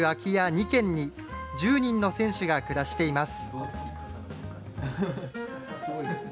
２軒に、１０人の選手が暮らしています。